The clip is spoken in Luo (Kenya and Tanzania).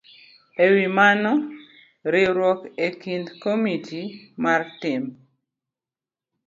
E wi mano, riwruok e kind komiti mar timb